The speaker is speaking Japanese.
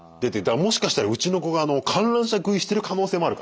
もしかしたらうちの子が観覧車食いしてる可能性もあるからね。